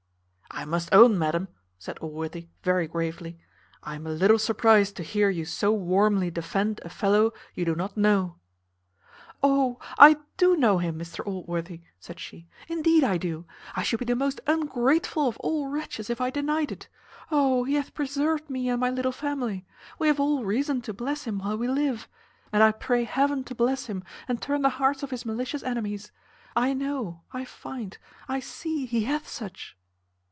"I must own, madam," said Allworthy, very gravely, "I am a little surprized to hear you so warmly defend a fellow you do not know." "O! I do know him, Mr Allworthy," said she, "indeed I do; I should be the most ungrateful of all wretches if I denied it. O! he hath preserved me and my little family; we have all reason to bless him while we live. And I pray Heaven to bless him, and turn the hearts of his malicious enemies. I know, I find, I see, he hath such."